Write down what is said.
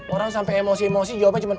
orang sampai emosi emosi jawabannya cuma